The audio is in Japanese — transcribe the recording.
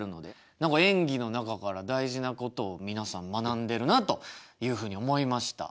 何か演技の中から大事なことを皆さん学んでるなというふうに思いました。